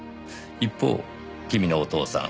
一方君のお父さん